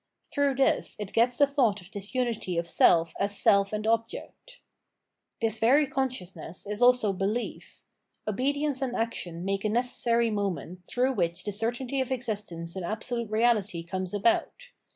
Through this it gets the thought of this unity of self as self and object. This very consciousness is also behef. Obedience and action make a necessary moment, through which the 558 Phenomenology of Mind certainty of existence in Absolute Reality conies about.